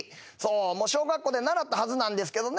小学校で習ったはずなんですけどね